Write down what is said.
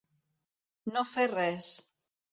No fer res.